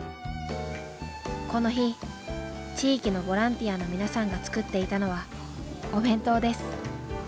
この日地域のボランティアの皆さんが作っていたのはお弁当です。